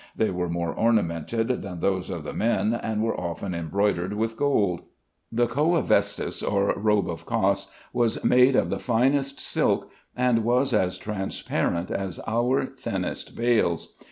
They were more ornamented than those of the men, and were often embroidered with gold. The Coa vestis, or robe of Cos, was made of the finest silk, and was as transparent as our thinnest veils.